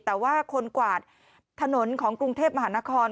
แต่ว่าคนกวาดถนนของกรุงเทพมหานคร